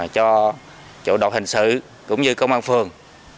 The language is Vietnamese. cho chủ độc hình sự cũng như công an phường